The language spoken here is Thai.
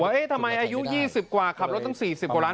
ว่าทำไมอายุ๒๐กว่าครับแล้วตั้ง๔๐กว่าหลาน